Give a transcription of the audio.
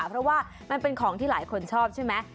เพราะว่ามันเป็นของที่หลายคนชอบใช่ไหม